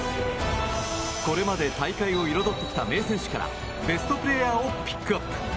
これまで大会を彩ってきた名選手からベストプレーヤーをピックアップ。